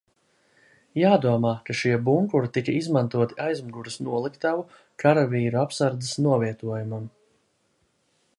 Jādomā, ka šie bunkuri tika izmantoti aizmugures noliktavu karavīru apsardzes novietojumam.